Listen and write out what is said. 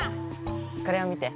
これを見て！